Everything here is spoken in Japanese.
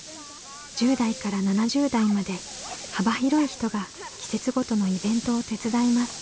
１０代から７０代まで幅広い人が季節ごとのイベントを手伝います。